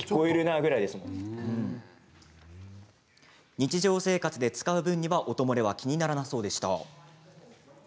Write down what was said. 日常生活で使う分には音漏れは気にならなさそうでした。